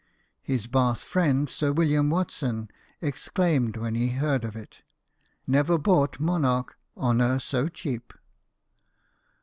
His Bath friend, Sir William Watson, exclaimed when he heard of it, " Never bought monarch honour so cheap."